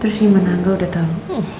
terus gimana angga udah tahu